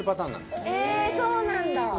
えぇそうなんだ。